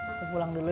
aku pulang dulu ya